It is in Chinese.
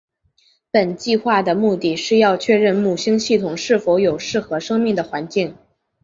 本计画的目的是要确认木星系统是否有适合生命的环境。